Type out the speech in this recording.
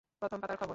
প্রথম পাতার খবর।